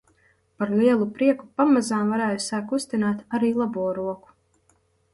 Par lielu prieku pamazām varēju sākt kustināt arī labo roku.